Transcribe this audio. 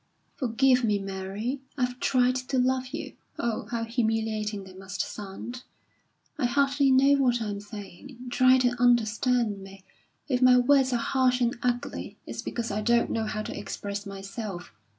"Forgive me, Mary; I've tried to love you. Oh, how humiliating that must sound! I hardly know what I'm saying. Try to understand me. If my words are harsh and ugly, it's because I don't know how to express myself.